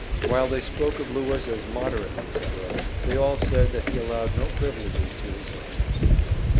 While they spoke of Lewis as "moderate," etc., they all said that he allowed no privileges to his slaves.